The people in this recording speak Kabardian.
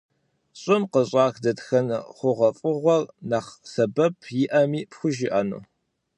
ЩӀым къыщӀах дэтхэнэ хъугъуэфӀыгъуэр нэхъ сэбэп иӀэми пхужыӀэну?